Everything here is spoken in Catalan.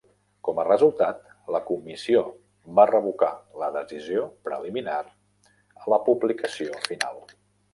Com a resultat, la comissió va revocar la decisió preliminar a la publicació final.